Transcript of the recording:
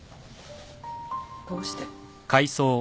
どうして？